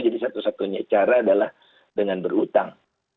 jadi satu satunya cara adalah dengan berutang